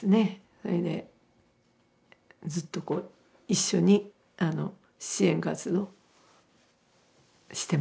それでずっと一緒に支援活動してますね。